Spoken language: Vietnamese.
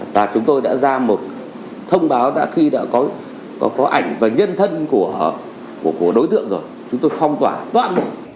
và chúng tôi đã ra một thông báo đã khi đã có ảnh và nhân thân của đối tượng rồi chúng tôi phong tỏa toàn bộ